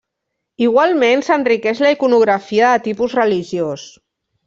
Igualment, s'enriqueix la iconografia de tipus religiós.